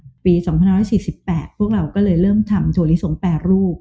ด้วยปี๒๕๔๘พวกเราก็เริ่มทำโถรศง๘รูป